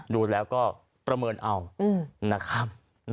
ดูแล้วก็ประเมินเอานะครับ